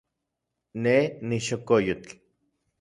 Ne nixokoyotl.